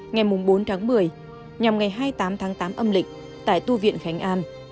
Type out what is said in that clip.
ngày bốn tháng một mươi nhằm ngày hai mươi tám tháng tám âm lịch tại tu viện khánh an